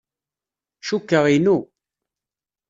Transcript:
Cukkeɣ inu.